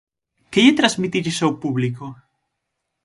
Que lle transmitiches ao público?